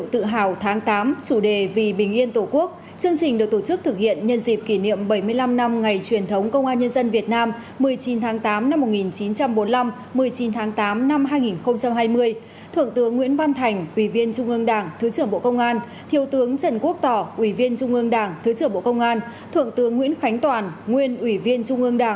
thượng tướng nguyễn khánh toàn nguyên ủy viên trung ương đảng nguyên thứ trưởng thường trưởng bộ công an đã đến dự chương trình